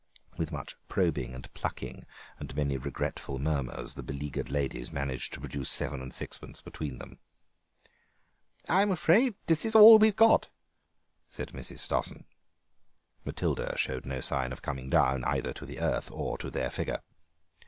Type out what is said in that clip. With much probing and plucking and many regretful murmurs the beleaguered ladies managed to produce seven and sixpence between them. "I am afraid this is all we've got," said Mrs. Stossen. Matilda showed no sign of coming down either to the earth or to their figure.